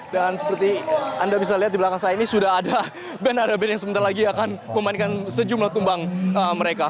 dan seperti anda bisa lihat di belakang saya ini sudah ada band band yang sebentar lagi akan memainkan sejumlah tumbang mereka